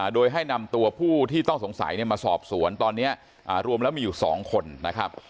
โดยให้นำตัวผู้ที่ต้องสงสัยมาสอบสวนตอนนี้รวมแล้วมีอยู่๒คนนะครับ